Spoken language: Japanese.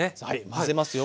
混ぜますよ。